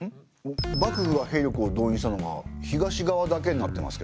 幕府が兵力を動員したのが東側だけになってますけど。